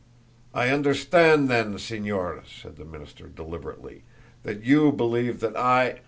"I understand then, Señor," said the minister deliberately, "that you believe that I